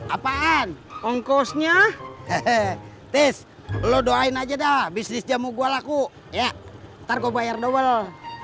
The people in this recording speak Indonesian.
apaan ongkosnya hehehe tis lo doain aja dah bisnis jamu gua laku ya ntar gue bayar double